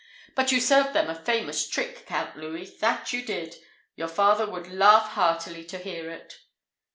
But you served them a famous trick, Count Louis, that you did; your father would laugh heartily to hear it."